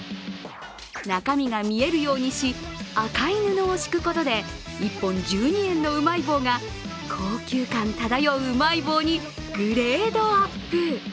中身が見えるようにし、赤い布を敷くことで１本１２円のうまい棒が高級感漂ううまい棒にグレードアップ。